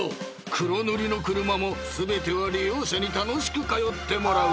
黒塗りの車も全ては利用者に楽しく通ってもらうため］